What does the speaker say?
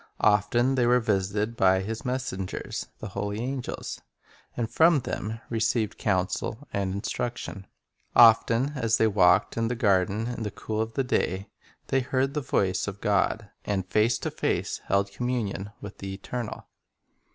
Often they were visited by His messengers, the holy angels, and from them received counsel and instruction. Often as they walked in the garden in the cool of the day they heard the voice of God, and face to face held communion with the Eternal.